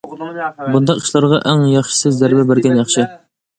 بۇنداق ئىشلارغا ئەڭ ياخشىسى زەربە بەرگەن ياخشى!